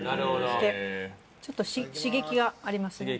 ちょっと刺激がありますね。